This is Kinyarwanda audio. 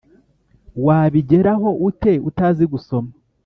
Wabigeraho ute utazi gusoma?